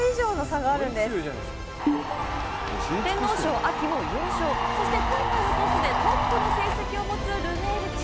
天皇賞・秋も４勝そして今回のコースでトップの成績を持つルメール騎手。